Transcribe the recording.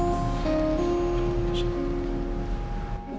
terima kasih juga